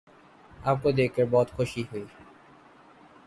آپ کو دیکھ کر بہت خوشی ہوئی